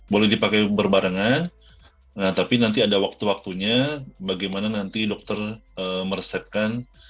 boleh dipakai berbarengan tapi nanti ada waktu waktunya bagaimana nanti dokter meresepkan